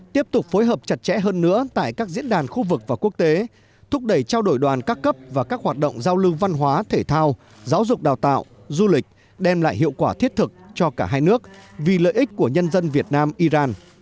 tiếp tục phối hợp chặt chẽ hơn nữa tại các diễn đàn khu vực và quốc tế thúc đẩy trao đổi đoàn các cấp và các hoạt động giao lưu văn hóa thể thao giáo dục đào tạo du lịch đem lại hiệu quả thiết thực cho cả hai nước vì lợi ích của nhân dân việt nam iran